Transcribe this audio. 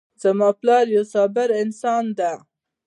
زما پلار یو صابر انسان ده